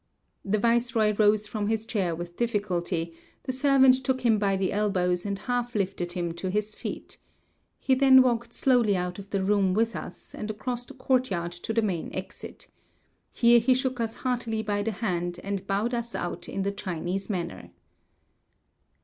The viceroy rose from his chair with difficulty; the servant took him by the elbows and half lifted him to his feet. He then walked slowly out of the room with us, and across the courtyard 210 Across Asia on a Bicycle to the main exit. Here he shook us heartily by the hand, and bowed us out in the Chinese manner.